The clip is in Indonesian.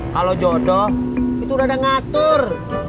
kalau jodoh itu udah ada ngatur